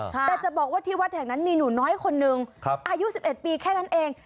แต่จะบอกว่าที่วัดแห่งนั้นมีหนูน้อยคนนึงอายุ๑๑ปีแค่นั้นเอง